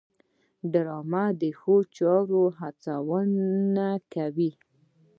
ډرامه د ښو چارو هڅونه کوي